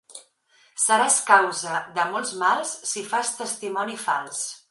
Seràs causa de molts mals si fas testimoni fals.